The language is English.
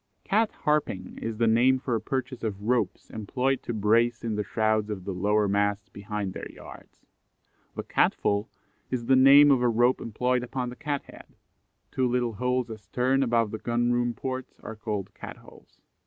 Cat harping is the name for a purchase of ropes employed to brace in the shrouds of the lower masts behind their yards. The Cat fall is the name of a rope employed upon the Cat head. Two little holes astern, above the Gun room ports, are called Cat holes.